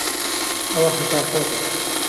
ئەوە خەتای خۆتە.